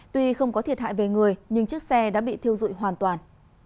tuy không có thiệt hại về người nhưng chiếc xe đã bị thiêu dụi hoàn toàn